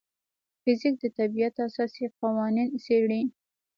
فزیک د طبیعت اساسي قوانین څېړي.